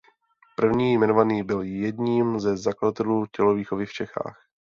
První jmenovaný byl jedním ze zakladatelů tělovýchovy v Čechách.